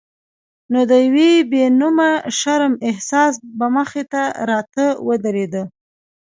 نو د یو بې نومه شرم احساس به مخې ته راته ودرېد.